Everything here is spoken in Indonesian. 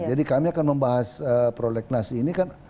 jadi kami akan membahas prolegnas ini kan